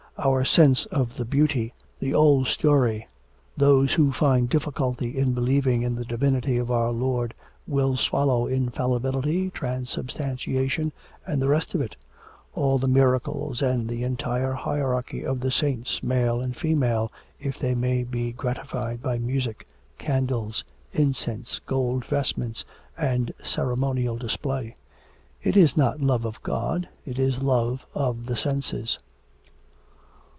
Our sense of the beauty ' 'The old story, those who find difficulty in believing in the divinity of our Lord will swallow infallibility, transubstantiation, and the rest of it all the miracles, and the entire hierarchy of the saints, male and female, if they may be gratified by music, candles, incense, gold vestments, and ceremonial display. ... It is not love of God, it is love of the senses.'